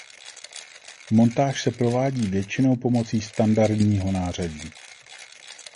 Montáž se provádí většinou pomocí standardního nářadí.